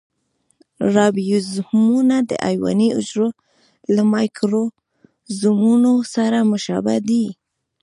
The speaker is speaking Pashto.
رایبوزومونه د حیواني حجرو له مایکروزومونو سره مشابه دي.